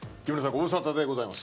ご無沙汰でございます。